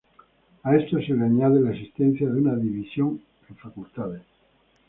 A esto se le añade la existencia de una división en facultades.